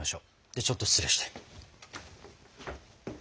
ではちょっと失礼して。